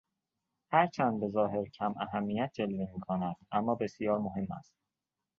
هر چند به ظاهر کماهمیت جلوه میکند اما بسیار مهم است